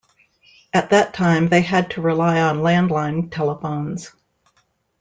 At that time, they had to rely on landline telephones.